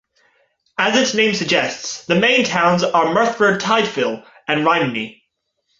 As its name suggests, the main towns are Merthyr Tydfil and Rhymney.